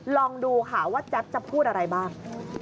ลองดูค่ะว่าแจ๊บจะพูดอะไรบ้าง